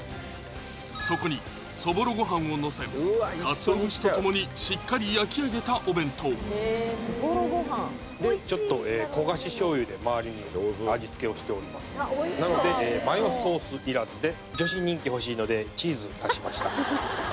そこにそぼろご飯をのせ鰹節と共にしっかり焼き上げたお弁当でちょっと焦がし醤油で回りに味付けをしておりますなのでマヨソース要らずで女子人気欲しいのでチーズ足しました